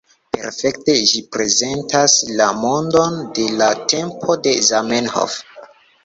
Perfekte ĝi prezentas la mondon de la tempo de Zamenhof.